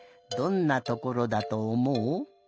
どんなところだとおもう？